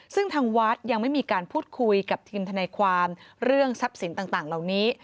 ซึ่งทางวัดยังไม่มีการพูดคุยกับทีมทนายความเรื่องทรัพย์สินต่างเหล่านี้